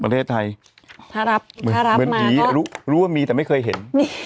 เทศไทยถ้ารับมารู้ว่ามีแต่ไม่เคยเห็น